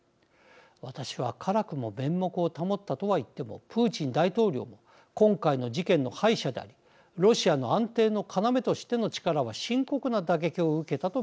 私は辛くも面目を保ったとはいってもプーチン大統領も今回の事件の敗者でありロシアの安定の要としての力は深刻な打撃を受けたと見ています。